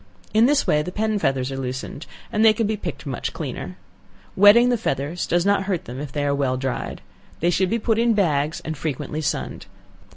In this way the pen feathers are loosened, and they can be picked much cleaner. Wetting the feathers does not hurt them if they are well dried. They should be put in bags, and frequently sunned.